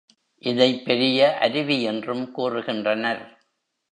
இதைப் பெரிய அருவி என்றும் கூறுகின்றனர்.